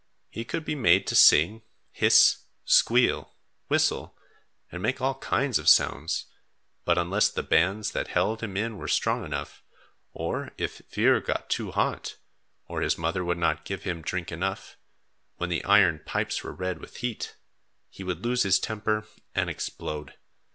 He could be made to sing, hiss, squeal, whistle, and make all kinds of sounds, but, unless the bands that held him in were strong enough, or if Vuur got too hot, or his mother would not give him drink enough, when the iron pipes were red with heat, he would lose his temper and explode.